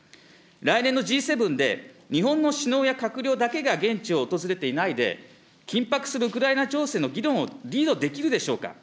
来年のＧ７で、日本の首脳や閣僚だけが現地を訪れていないで、緊迫するウクライナ情勢の議論をリードできるでしょうか。